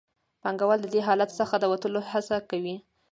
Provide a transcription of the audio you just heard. پانګوال د دې حالت څخه د وتلو هڅه کوي